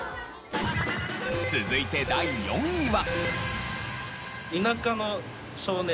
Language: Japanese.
続いて第４位は。